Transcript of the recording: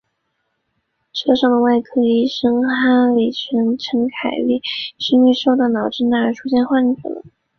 车上的外科医师哈里兹宣称凯莉是因为受到脑震荡而出现了幻觉。